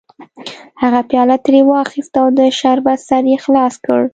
هغه پیاله ترې واخیسته او د شربت سر یې خلاص کړ